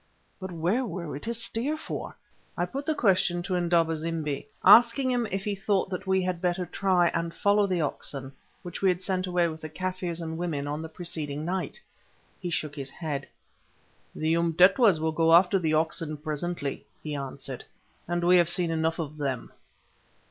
But where were we to steer for? I put the question to Indaba zimbi, asking him if he thought that we had better try and follow the oxen which we had sent away with the Kaffirs and women on the preceding night. He shook his head. "The Umtetwas will go after the oxen presently," he answered, "and we have seen enough of them."